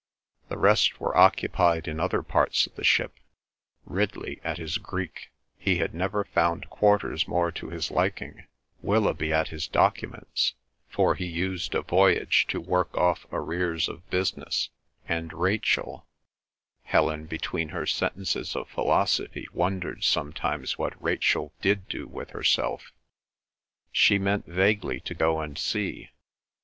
The rest were occupied in other parts of the ship: Ridley at his Greek—he had never found quarters more to his liking; Willoughby at his documents, for he used a voyage to work off arrears of business; and Rachel—Helen, between her sentences of philosophy, wondered sometimes what Rachel did do with herself? She meant vaguely to go and see.